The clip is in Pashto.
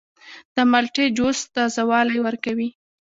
د مالټې جوس تازه والی ورکوي.